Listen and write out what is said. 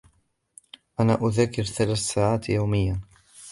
أنا أذاكر ثلاث ساعات يومياً.